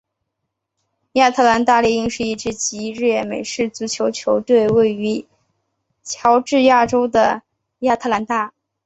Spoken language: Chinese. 亚特兰大猎鹰是一支职业美式足球球队位于乔治亚州的亚特兰大。